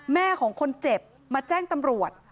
แม่ของคนเจ็บมาแจ้งตำรวจ